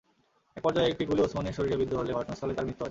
একপর্যায়ে একটি গুলি ওসমানের শরীরে বিদ্ধ হলে ঘটনাস্থলেই তাঁর মৃত্যু হয়।